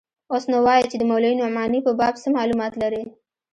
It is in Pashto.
اوس نو وايه چې د مولوي نعماني په باب څه مالومات لرې.